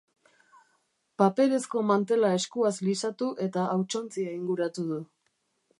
Paperezko mantela eskuaz lisatu eta hautsontzia inguratu du.